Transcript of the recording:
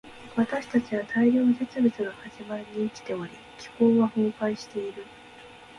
私たちは大量絶滅の始まりに生きており、気候は崩壊している。